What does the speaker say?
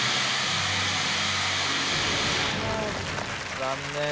残念。